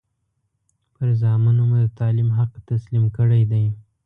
پر زامنو مو د تعلیم حق تسلیم کړی دی.